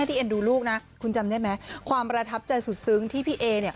ที่เอ็นดูลูกนะคุณจำได้ไหมความประทับใจสุดซึ้งที่พี่เอเนี่ย